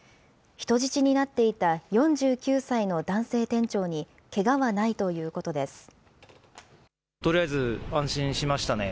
人質になっていた４９歳の男性店長にけがはないということです。